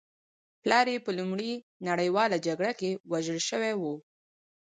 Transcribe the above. پلار یې په لومړۍ نړۍواله جګړه کې وژل شوی و